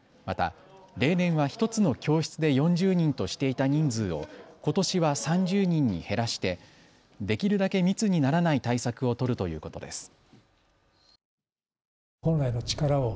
また、例年は１つの教室で４０人としていた人数をことしは３０人に減らしてできるだけ密にならない対策を取るということです。